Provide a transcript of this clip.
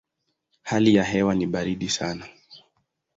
Hali ya hewa ni baridi sana.